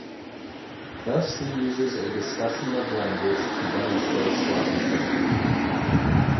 Thus he uses a discussion of language to demonstrate sloppy thinking.